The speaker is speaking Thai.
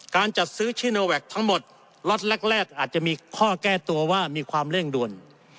การจัดซื้อชิโนแวคทั้งหมดล็อตแรกอาจจะมีข้อแก้ตัวว่ามีความเร่งด่วน